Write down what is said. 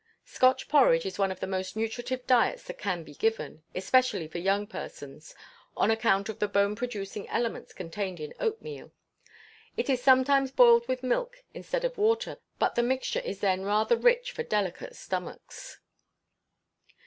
Scotch porridge is one of the most nutritive diets that can be given, especially for young persons, on account of the bone producing elements contained in oatmeal. It is sometimes boiled with milk instead of water, but the mixture is then rather rich for delicate stomachs.